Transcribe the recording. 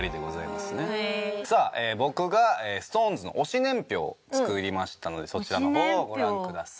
さあ僕がＳｉｘＴＯＮＥＳの推し年表を作りましたのでそちらの方をご覧ください。